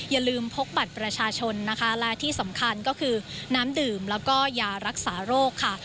อย่าลืมพกบัตรประชาชนนะคะและที่สำคัญก็คือน้ำดื่มแล้วก็ยารักษาโรคค่ะ